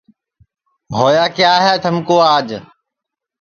ہویا کیا ہے تھمکُو آج